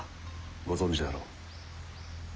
ご存じであろう？